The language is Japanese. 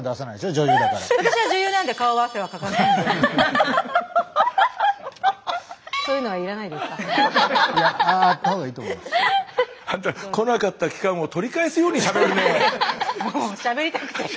女優だから。あんた来なかった期間を取り返すようにしゃべるね！